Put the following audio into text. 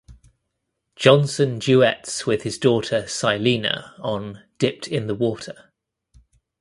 Johnson duets with his daughter Syleena on "Dipped in the Water".